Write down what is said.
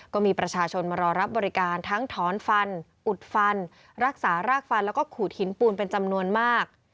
ก็มีประชาชนมารอรับบริการทั้งถอนฟันอุดฟันรักษารากฟันแล้วก็ขูดหินปูนเป็นจำนวนมาก